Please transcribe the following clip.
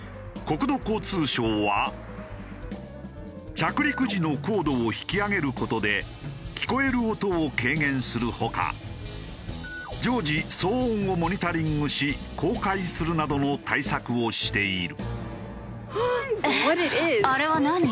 着陸時の高度を引き上げる事で聞こえる音を軽減する他常時騒音をモニタリングし公開するなどの対策をしている。